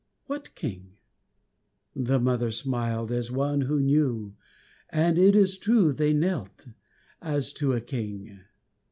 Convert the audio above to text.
What King? The mother smiled As one who knew; and it is true they knelt As to a King.